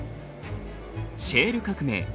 シェール革命